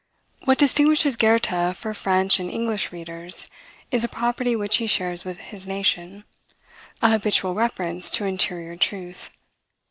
What distinguishes Goethe for French and English readers, is a property which he shares with his nation, a habitual reference to interior truth.